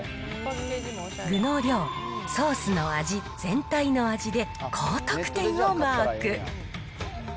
具の量、ソースの味、全体の味で高得点をマーク。